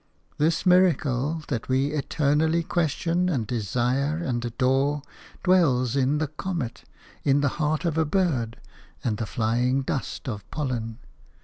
This miracle that we eternally question and desire and adore dwells in the comet, in the heart of a bird, and the flying dust of pollen.